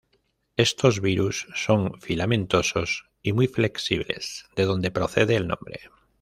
Estos virus son filamentosos y muy flexibles, de donde procede el nombre.